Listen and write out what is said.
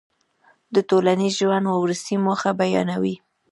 د ټولنیز ژوند وروستۍ موخه بیانوي.